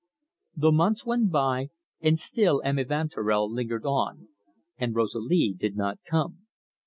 The months went by and still M. Evanturel lingered on, and Rosalie did not come.